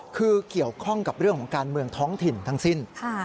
คือเกี่ยวข้องกับเรื่องของการเมืองท้องถิ่นทั้งสิ้น